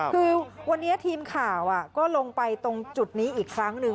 คือวันนี้ทีมข่าวก็ลงไปตรงจุดนี้อีกครั้งหนึ่ง